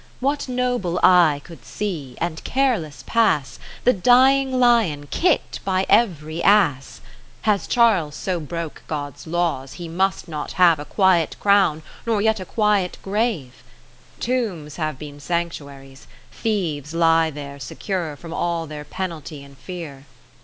^Vhat noble eye could see (and careless pass) The dying Lion kick'd by every ass ? Has Charles so broke God's Laws, he must not have 1 1 A quiet Crown, nor yet a quiet grave? Tombs have been sanctuaries ; Thieves lie there Secure from all their penalty and fear.